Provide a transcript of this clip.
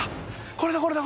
これだこれだ。